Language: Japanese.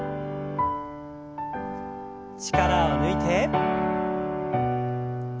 力を抜いて。